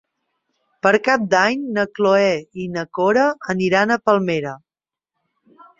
Per Cap d'Any na Cloè i na Cora aniran a Palmera.